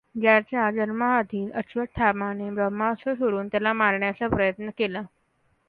त्याच्या जन्माआधीच अश्वत्थामाने ब्रह्मास्त्र सोडून त्याला मारण्याचा प्रयत् न केला.